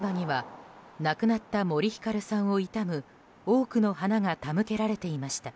事故現場には亡くなった森ひかるさんを悼む多くの花が手向けられていました。